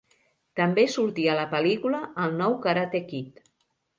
També sortia a la pel·lícula "El nou Karate Kid".